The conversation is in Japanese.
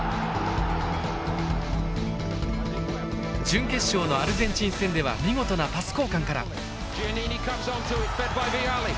準決勝のアルゼンチン戦では見事なパス交換から。